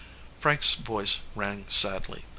Frank s voice rang sadly.